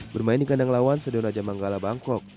bermain di kandang lawan sedeon raja manggala bangkok